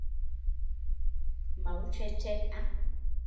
Mấu sệt sệt ăn mí ngon